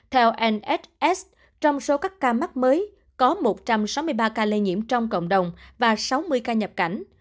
theoss trong số các ca mắc mới có một trăm sáu mươi ba ca lây nhiễm trong cộng đồng và sáu mươi ca nhập cảnh